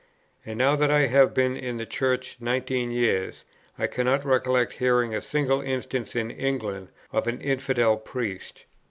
And now that I have been in the Church nineteen years, I cannot recollect hearing of a single instance in England of an infidel priest.